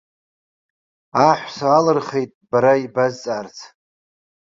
Аҳәса алырхит бара ибазҵаарц.